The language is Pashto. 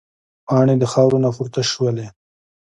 پاڼې د خاورو نه پورته شولې.